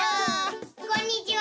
こんにちは！